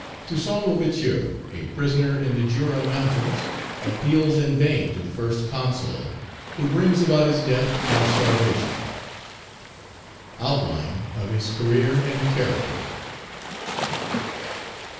Toussaint L'Ouverture, a prisoner in the Jura Mountains, appeals in vain to the First Consul, who brings about his death by starvation Outline of his career and character.